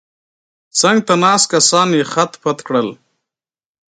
څنګ ته ناست کسان یې خت پت کړل.